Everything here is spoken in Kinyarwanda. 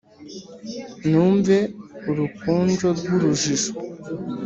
Numve urukonjo rw’urujijo